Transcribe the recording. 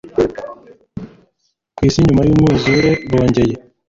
ku isi nyuma yumwuzure bongeye